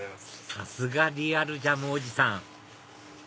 さすがリアルジャムおじさん